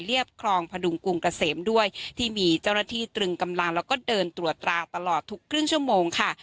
คลองพดุงกรุงเกษมด้วยที่มีเจ้าหน้าที่ตรึงกำลังแล้วก็เดินตรวจรางตลอดทุกครึ่งชั่วโมงค่ะ